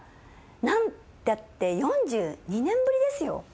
何たって４２年ぶりですよ。